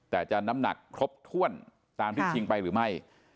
แต่จะน้ำหนักครบถ้วนตามที่ชิงไปหรือไม่